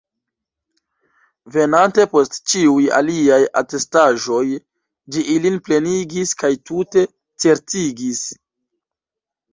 Venante post ĉiuj aliaj atestaĵoj, ĝi ilin plenigis kaj tute certigis.